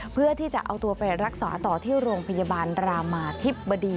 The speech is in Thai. เพื่อที่จะเอาตัวไปรักษาต่อที่โรงพยาบาลรามาธิบดี